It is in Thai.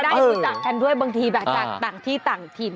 ได้รู้จักกันด้วยบางทีแบบจากต่างที่ต่างถิ่น